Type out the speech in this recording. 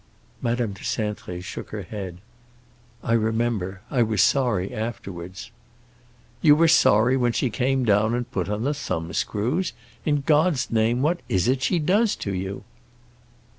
Madame de Cintré shook her head. "I remember; I was sorry afterwards." "You were sorry when she came down and put on the thumbscrews. In God's name what is it she does to you?"